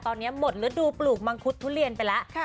ตอนนี้หมดฤดูปลูกมังคุดทุเรียนไปแล้ว